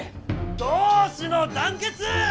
同志の団結！